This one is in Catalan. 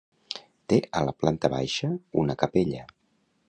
Té a la planta baixa una capella.